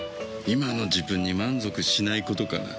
今の自分に満足しないことかな。